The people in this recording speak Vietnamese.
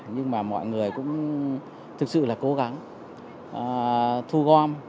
nhưng mà mọi người cũng thực sự là cố gắng thu gom